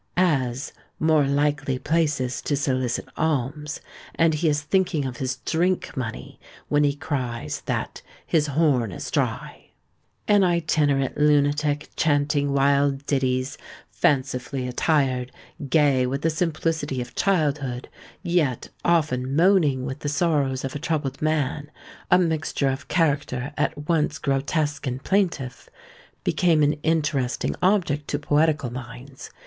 as more likely places to solicit alms; and he is thinking of his drink money, when he cries that "his horn is dry." An itinerant lunatic, chanting wild ditties, fancifully attired, gay with the simplicity of childhood, yet often moaning with the sorrows of a troubled man, a mixture of character at once grotesque and plaintive, became an interesting object to poetical minds.